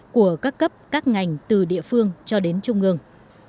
của các cấp các ngành từ địa phương cho đến trung ương